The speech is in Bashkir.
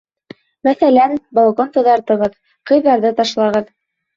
Мәҫәлән, балкон таҙартығыҙ, ҡыйҙарҙы ташлағыҙ.